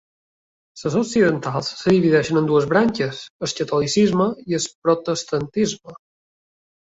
Les occidentals es divideixen en dues branques, el catolicisme i el protestantisme.